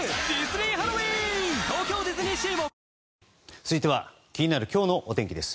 続いては、気になる今日のお天気です。